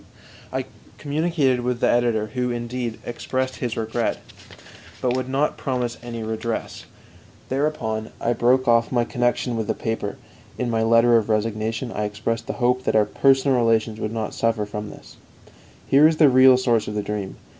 I communicated with the editor, who, indeed, expressed his regret, but would not promise any redress. Thereupon I broke off my connection with the paper; in my letter of resignation I expressed the hope that our personal relations would not suffer from this. Here is the real source of the dream.